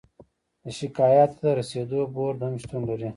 د شکایاتو ته د رسیدو بورد هم شتون لري.